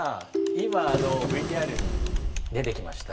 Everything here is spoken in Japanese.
今ＶＴＲに出てきました